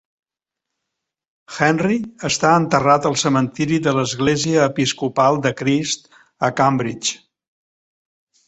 Henry està enterrat al Cementiri de l'Església Episcopal de Christ a Cambridge.